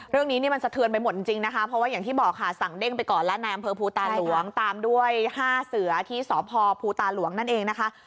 เรื่องนี้นี่มันสะเทือนไปหมดจริงนะคะเพราะว่าอย่างที่บอกค่ะสั่งเด้งไปก่อนแล้วในอำเภอภูตาหลวงตามด้วย๕เสือที่สพภูตาหลวงนั่นเองนะคะ